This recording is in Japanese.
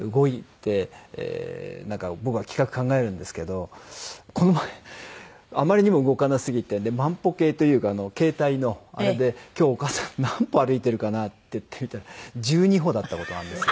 なんか僕は企画考えるんですけどこの前あまりにも動かなすぎて万歩計というか携帯のあれで「今日お母さん何歩歩いてるかな？」って言って見たら１２歩だった事があるんですよ。